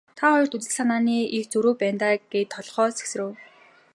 Та хоёрт үзэл санааны их зөрүү байна даа гээд толгой сэгсрэв.